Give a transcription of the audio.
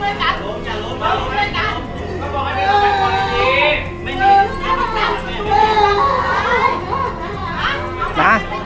ิดด้วย